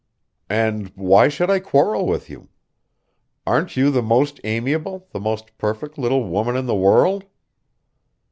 "And why should I quarrel with you? Aren't you the most amiable, the most perfect little woman in the world?"